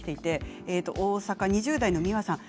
大阪２０代の方です。